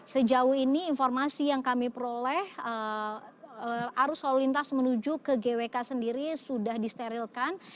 sejauh ini informasi yang kami peroleh arus lalu lintas menuju ke gwk sendiri sudah disterilkan